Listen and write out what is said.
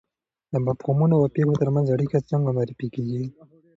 د مفهومونو او پېښو ترمنځ اړیکه څنګه معرفي کیږي؟